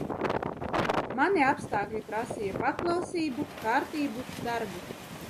Mani apstākļi prasīja paklausību, kārtību, darbu.